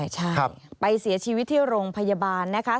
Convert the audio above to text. ใช่ไปเสียชีวิตที่โรงพยาบาลนะคะ